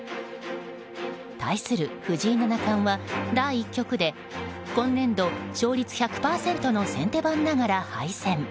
対する藤井七冠は第１局で今年度勝率１００％の先手番ながら敗戦。